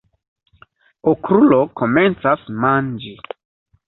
Okrulo komencas manĝi.